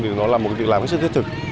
thì nó là một việc làm hết sức thiết thực